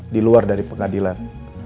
di luar dari pengadilan